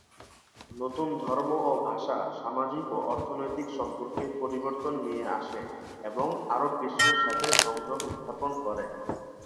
নতুন ধর্ম ও ভাষা সামাজিক ও অর্থনৈতিক সম্পর্কে পরিবর্তন নিয়ে আসে এবং আরব বিশ্বের সাথে সংযোগ স্থাপন করে।